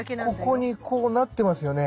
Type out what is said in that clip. ここにこうなってますよね。